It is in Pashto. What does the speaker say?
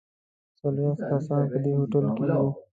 څلوېښت کسان په دې هوټل کې یو.